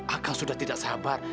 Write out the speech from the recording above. akang sudah tidak sabar